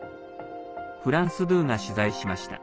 フランス２が取材しました。